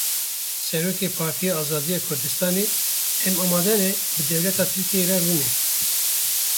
Serokê Partiya Azadiya Kurdistanê; em amade ne bi dewleta Tirkiyeyê re rûnên.